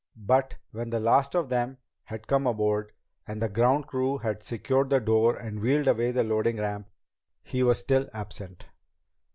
But when the last of them had come aboard, and the ground crew had secured the door and wheeled away the loading ramp, he was still absent.